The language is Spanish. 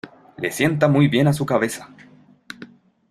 Le sienta muy bien a su cabeza.